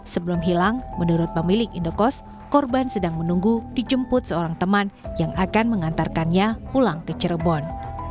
sebelum hilang menurut pemilik indokos korban sedang menunggu dijemput seorang teman yang akan mengantarkannya pulang ke cirebon